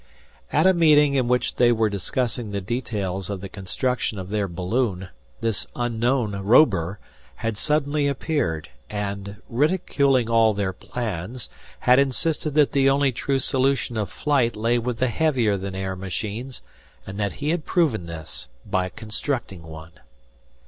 At a meeting in which they were discussing the details of the construction of their balloon, this unknown Robur had suddenly appeared and, ridiculing all their plans, had insisted that the only true solution of flight lay with the heavier than air machines, and that he had proven this by constructing one.